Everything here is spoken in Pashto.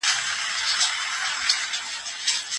انا هره شپه د خپل تنګ زړه له امله پښېمانه وي.